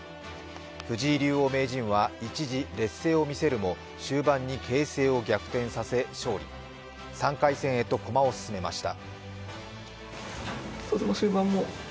藤井竜王名人は一時劣勢を見せるも、終盤に形勢を逆転させ勝利、３回戦へと駒を進めました。